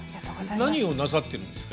何をなさっているんですか？